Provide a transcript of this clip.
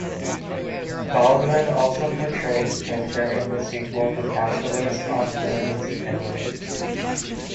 Baldwin also portrayed Ginger in the sequel "The Castaways on Gilligan's Island".